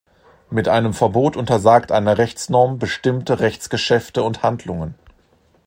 Mit einem Verbot untersagt eine Rechtsnorm bestimmte Rechtsgeschäfte und Handlungen.